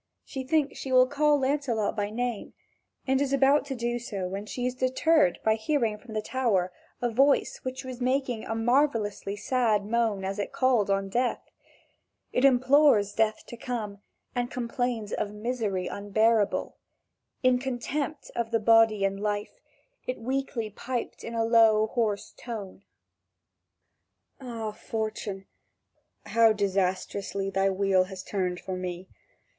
She thinks she will call Lancelot by name, and is about to do so when she is deterred by hearing from the tower a voice which was making a marvellously sad moan as it called on death. It implores death to come, and complains of misery unbearable. In contempt of the body and life, it weakly piped in a low, hoarse tone: "Ah, fortune, how disastrously thy wheel has turned for me!